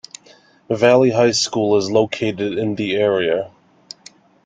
Valley High School is located in the area.